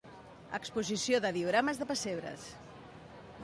Exposició de diorames de pessebres.